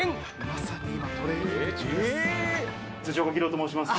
まさに今トレーニング中です。